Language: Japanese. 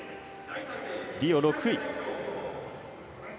リオ６位。